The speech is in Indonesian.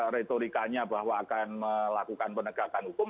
retorikanya bahwa akan melakukan penegakan hukum